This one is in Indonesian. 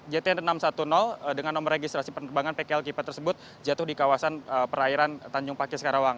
jt enam ratus sepuluh dengan nomor registrasi penerbangan pkl kipa tersebut jatuh di kawasan perairan tanjung pakis karawang